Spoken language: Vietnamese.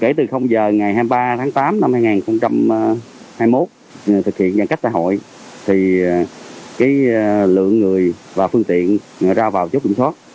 kể từ giờ ngày hai mươi ba tháng tám năm hai nghìn hai mươi một thực hiện nhận cách xã hội thì lượng người và phương tiện ra vào chốt kiểm soát